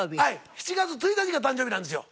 ７月１日が誕生日なんですよ。